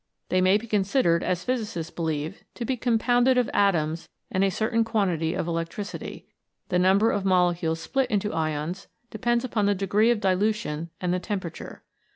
They may be considered, as physicists believe, to be compounded of atoms and a certain quantity of electricity. The number of molecules split into ions depends upon the degree of dilution and the temperature.